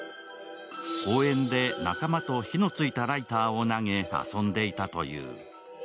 公園で仲間と火のついたライターを投げ、遊んでいたという。